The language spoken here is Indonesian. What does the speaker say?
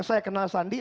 saya kenal sandi